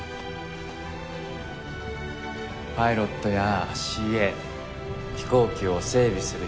パイロットやＣＡ飛行機を整備する人。